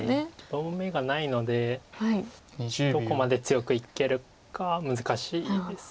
両方眼がないのでどこまで強くいけるか難しいです。